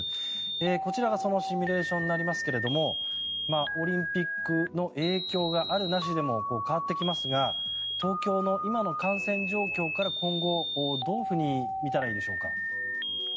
こちらがそのシミュレーションになりますがオリンピックの影響があるなしでも変わってきますが東京の今の感染状況から今後、どういうふうに見たらいいでしょうか。